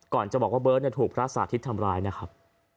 จะบอกว่าเบิร์ตถูกพระสาธิตทำร้ายนะครับ